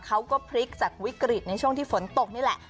เขาก็พลิกจากวิกฤตในช่วงที่ฝนตกนี่แหละ